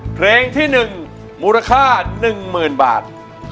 เพลงที่๑มูลค่า๑๐๐๐บาท